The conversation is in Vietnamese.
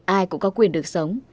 ai cũng có quyền được sống